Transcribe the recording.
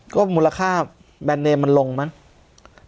ก็มูลค่าแบรนดเนมมันลงมั้ง